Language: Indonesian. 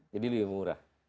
jadi lebih murah